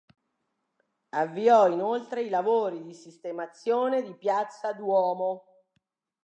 Avviò inoltre i lavori di sistemazione di piazza Duomo.